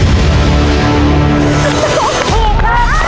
ถูก